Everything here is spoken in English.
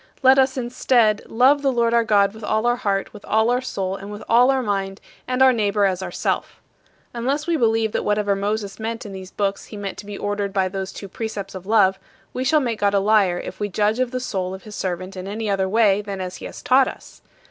" Let us, instead, "love the Lord our God with all our heart, with all our soul, and with all our mind, and our neighbor as ourself." Unless we believe that whatever Moses meant in these books he meant to be ordered by these two precepts of love, we shall make God a liar, if we judge of the soul of his servant in any other way than as he has taught us.